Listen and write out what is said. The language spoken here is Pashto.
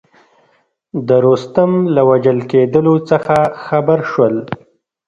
د رستم له وژل کېدلو څخه خبر شول.